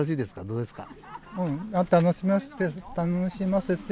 どうですか？